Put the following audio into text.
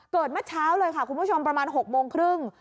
เมื่อเช้าเลยค่ะคุณผู้ชมประมาณ๖โมงครึ่ง